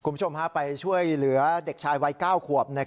คุณผู้ชมไปช่วยเหลือเด็กชายวัย๙ขวบ